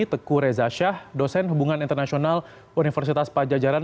teku reza shah dosen hubungan internasional universitas pajajaran